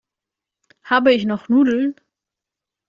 Habe ich noch Nudeln?